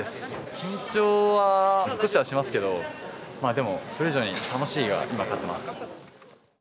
緊張は少しはしますけどまあでもそれ以上に「楽しい」が今勝ってます。